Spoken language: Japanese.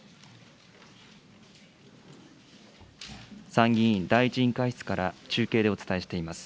参議院第１委員会室から中継でお伝えしています。